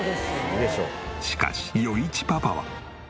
しかし余一パパは。